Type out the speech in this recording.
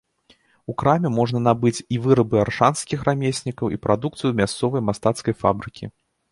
У краме можна набыць і вырабы аршанскіх рамеснікаў, і прадукцыю мясцовай мастацкай фабрыкі.